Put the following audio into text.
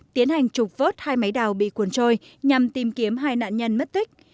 tiến hành trục vớt hai máy đào bị cuốn trôi nhằm tìm kiếm hai nạn nhân mất tích